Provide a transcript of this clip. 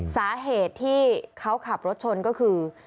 สาเหตุที่เขาขับรถชนก็คือ